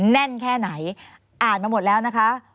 แน่นแค่ไหนอ่านมาหมดแล้วนะคะ